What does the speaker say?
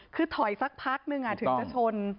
คือถอยสักพักนึงถึงจะชน